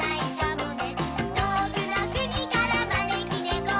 「とおくのくにからまねきねこ」